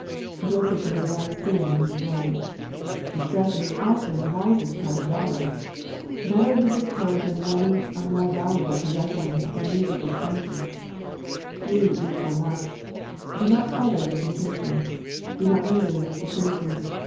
Joseph did a wise thing when he fled. Discretion is often the wisest part of valour. Better lose a coat and many a more valuable possession than lose a good conscience. " Flee youthful lusts." Do not parley with temptation. Do nqt Linger in its vicinity.